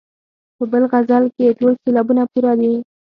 په بل غزل کې ټول سېلابونه پوره دي.